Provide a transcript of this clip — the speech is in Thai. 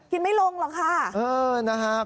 กินไม่ลง